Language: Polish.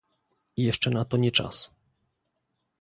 Jeszcze na to nie czas